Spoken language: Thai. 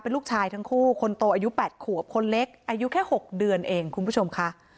ลูกชายทั้งคู่คนโตอายุ๘ขวบคนเล็กอายุแค่๖เดือนเองคุณผู้ชมค่ะ